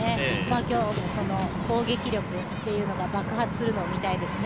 今日、攻撃力というのが爆発するのを見たいですね。